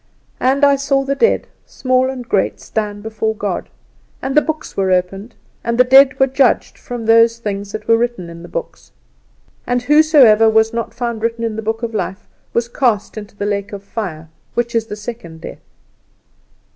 'And I saw the dead, great and small, stand before God. And the books were opened, and the dead were judged from those things which were written in the books. And whosoever was not found written in the book of life was cast into the lake of fire, which is the second death.